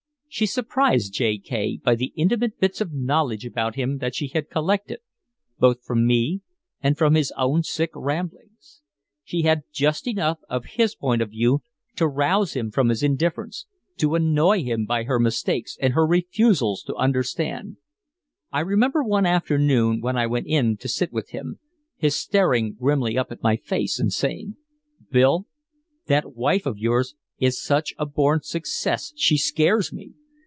She surprised J. K. by the intimate bits of knowledge about him that she had collected both from me and from his own sick ramblings. She had just enough of his point of view to rouse him from his indifference, to annoy him by her mistakes and her refusals to understand. I remember one afternoon when I went in to sit with him, his staring grimly up at my face and saying: "Bill, that wife of yours is such a born success she scares me.